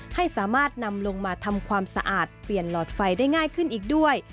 ให้สามารถนำลงมาทำความสะอาดเปลี่ยนหลอดไฟได้ง่ายขึ้นอีกด้วย